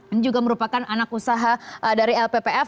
yang juga merupakan anak usaha dari lppf